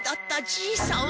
じいさん！